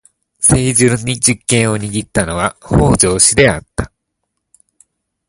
政治の実権を握ったのは北条氏であった。